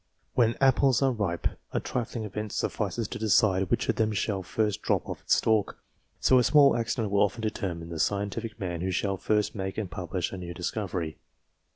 When apples are ripe, a trifling event suffices to decide, which of them shall first drop off its stalk ; so a small accident will often determine the scientific man who shall first make and publish a new discovery.